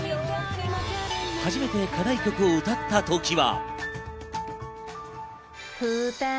初めて課題曲を歌った時は。